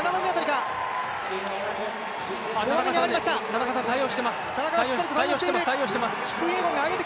田中さん、対応してます。